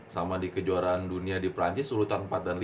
sama di kejuaraan dunia di perancis urutan empat dan lima